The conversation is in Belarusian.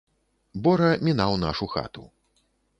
Бора мінаў нашу хату.